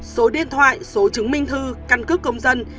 số điện thoại số chứng minh thư căn cước công dân